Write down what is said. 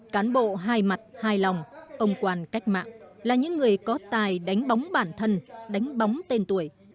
cán bộ hai mặt hai lòng ông quản cách mạng là những người có tài đánh bóng bản thân đánh bóng tên tuổi